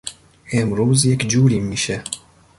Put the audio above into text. امروز یک جوریم میشه.